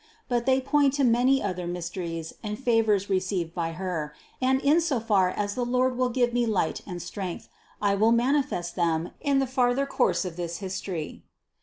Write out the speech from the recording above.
But they point to many other mysteries and favors received by Her, and in so far as the Lord will give me light and strength, I will manifest them in the farther course of this history.